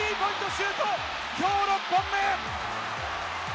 シュート、きょう６本目。